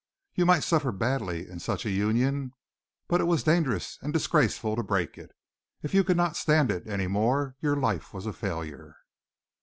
You might suffer badly in such a union, but it was dangerous and disgraceful to break it. If you could not stand it any more, your life was a failure.